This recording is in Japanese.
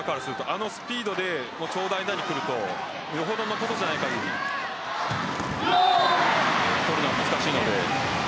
あのスピードでくるとよほどのことではないかぎり取るのは難しいです。